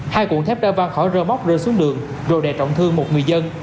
hai cuộn thép đã văn khỏi rơ móc rơi xuống đường rồi đè trọng thương một người dân